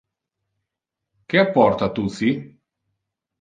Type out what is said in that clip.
Que apporta tu ci?